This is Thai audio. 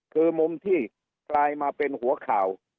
คือมุมที่กลายมาเป็นหัวข่าว